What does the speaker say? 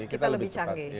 kita lebih canggih